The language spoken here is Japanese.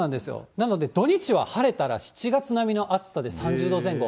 なので土日は晴れたら、７月並みの暑さで３０度前後。